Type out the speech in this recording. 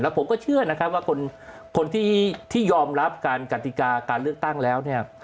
ผมก็เชื่อนะครับว่าคนที่ยอมรับการกติกาการเลือกตั้งแล้วเนี่ย